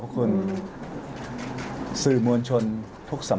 พร้อมแล้วเลยค่ะ